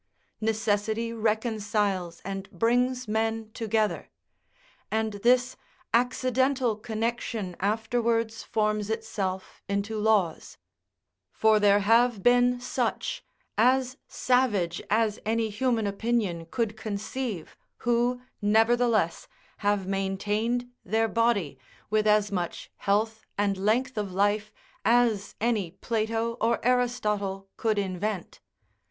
Necessity reconciles and brings men together; and this accidental connection afterwards forms itself into laws: for there have been such, as savage as any human opinion could conceive, who, nevertheless, have maintained their body with as much health and length of life as any Plato or Aristotle could invent.